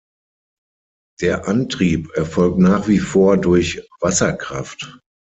Der Antrieb erfolgt nach wie vor durch Wasserkraft.